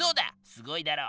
すごいだろ！